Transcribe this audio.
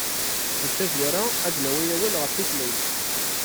Deg tazwara, ad d-nawi awal ɣef tutlayt.